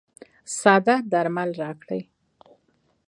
ساده درمل راکړئ.